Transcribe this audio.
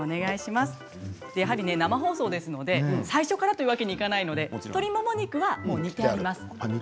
やはり生放送ですので最初からというわけにはいかないので鶏もも肉は煮てあります。